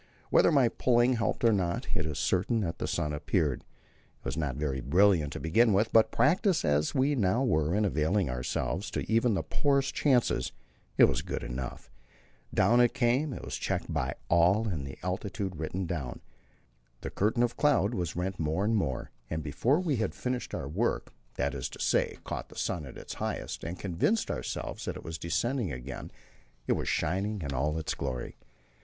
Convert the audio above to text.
Whether my pulling helped or not, it is certain that the sun appeared. It was not very brilliant to begin with, but, practised as we now were in availing ourselves of even the poorest chances, it was good enough. Down it came, was checked by all, and the altitude written down. The curtain of cloud was rent more and more, and before we had finished our work that is to say, caught the sun at its highest, and convinced ourselves that it was descending again it was shining in all its glory.